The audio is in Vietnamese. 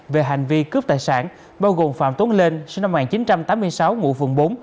về hành vi cướp tài sản bao gồm phạm tuấn lên sinh năm một nghìn chín trăm tám mươi sáu ngụ phường bốn